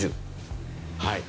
はい。